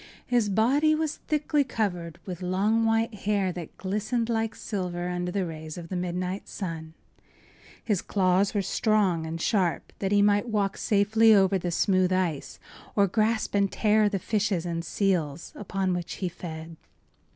His body was thickly covered with long, white hair that glistened like silver under the rays of the midnight sun. His claws were strong and sharp, that he might walk safely over the smooth ice or grasp and tear the fishes and seals upon which he fed.